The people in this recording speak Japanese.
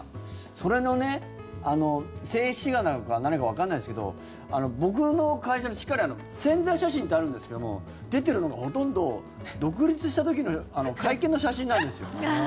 それのね、静止画なのか何かわかんないですけど僕の会社の、しっかり宣材写真ってあるんですけども出てるのがほとんど独立した時の会見の写真なんですよ。